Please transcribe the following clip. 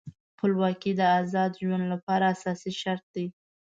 خپلواکي د آزاد ژوند لپاره اساسي شرط دی.